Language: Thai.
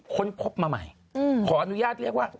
ค้นพบมาใหม่ขออนุญาตเรียกว่า